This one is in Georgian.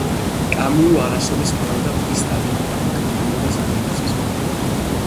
კამიუ არასოდეს მალავდა მის დადებით დამოკიდებულებას ანარქიზმის მიმართ.